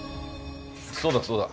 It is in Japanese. そうだそうだ。